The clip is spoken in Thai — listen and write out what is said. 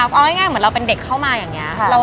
เอาง่ายเหมือนเราเป็นเด็กเข้ามาอย่างนี้ค่ะ